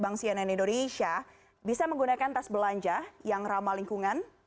bank cnn indonesia bisa menggunakan tas belanja yang ramah lingkungan